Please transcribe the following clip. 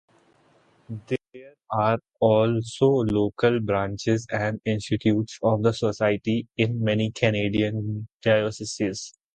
There are also local "Branches" and "Institutes" of the Society in many Canadian Dioceses.